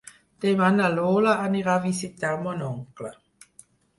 Demà na Lola anirà a visitar mon oncle.